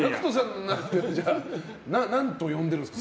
何と呼んでるんですか？